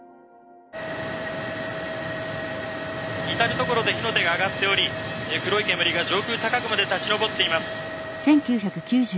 「至る所で火の手が上がっており黒い煙が上空高くまで立ち上っています」。